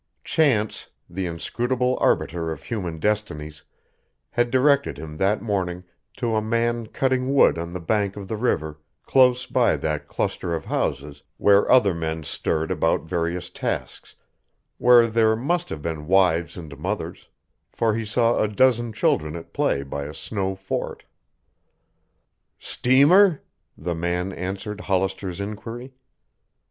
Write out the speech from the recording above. Chance, the inscrutable arbiter of human destinies, had directed him that morning to a man cutting wood on the bank of the river close by that cluster of houses where other men stirred about various tasks, where there must have been wives and mothers, for he saw a dozen children at play by a snow fort. "Steamer?" the man answered Hollister's inquiry.